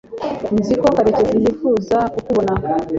nzi ko karekezi yifuza kukubona